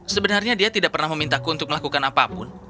sebenarnya dia tidak pernah memintaku untuk melakukan apapun